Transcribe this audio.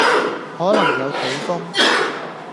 可能有肚風